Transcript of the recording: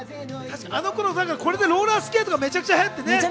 あの頃、これでローラースケートがめちゃくちゃ流行ってね。